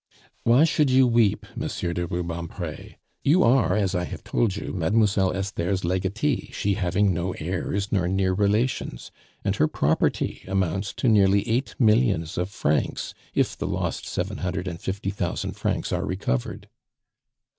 "Why should you weep, Monsieur de Rubempre? You are, as I have told you, Mademoiselle Esther's legatee, she having no heirs nor near relations, and her property amounts to nearly eight millions of francs if the lost seven hundred and fifty thousand francs are recovered."